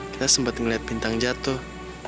kita sempet ngeliat bintang jatuh